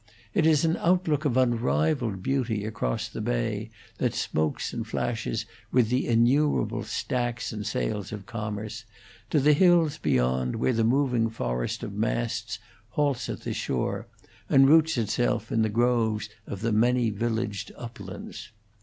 It is an outlook of unrivalled beauty across the bay, that smokes and flashes with the innumerable stacks and sails of commerce, to the hills beyond, where the moving forest of masts halts at the shore, and roots itself in the groves of the many villaged uplands.